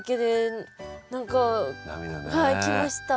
はい来ました。